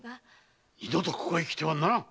二度とここへ来てはならん！